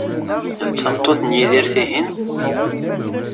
D tameṭṭut n Yidir, tihin?